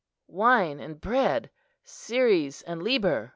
"Wine and bread, Ceres and Liber!"